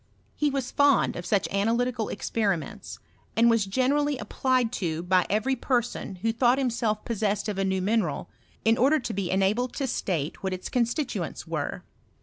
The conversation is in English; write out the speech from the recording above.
Ho was fond of such analytical experiments, and woa PROGRESS or ANALYTICAL CHEMISTRY. 247 gjenerally applied to by every person who thought himself possessed of a new mineral, in order to be enabled to state what its constituents were.